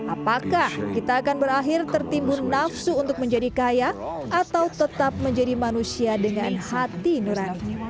apakah kita akan berakhir tertimbun nafsu untuk menjadi kaya atau tetap menjadi manusia dengan hati nurani